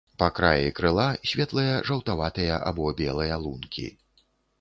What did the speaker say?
Па краі крыла светлыя жаўтаватыя або белыя лункі.